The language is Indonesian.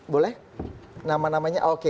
boleh nama namanya oke